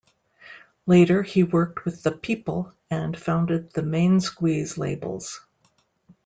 Later, he worked with the "People" and founded the "Main Squeeze" labels.